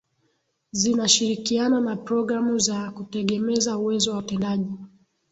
zinashirikiana na programu za kutegemeza uwezo wa utendaji